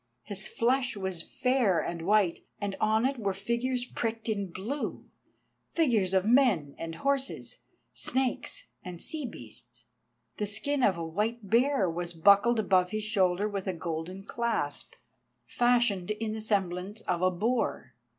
His flesh was very fair and white, and on it were figures pricked in blue, figures of men and horses, snakes and sea beasts. The skin of a white bear was buckled above his shoulder with a golden clasp, fashioned in the semblance of a boar.